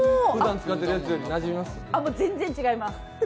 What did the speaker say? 全然違います、